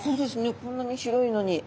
こんなに広いのに。